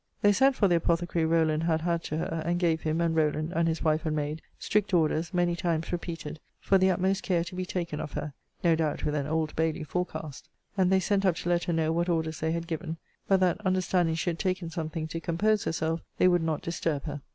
They sent for the apothecary Rowland had had to her, and gave him, and Rowland, and his wife and maid, strict orders, many times repeated, for the utmost care to be taken of her no doubt, with an Old Bailey forecast. And they sent up to let her know what orders they had given: but that, understanding she had taken something to compose herself, they would not disturb her.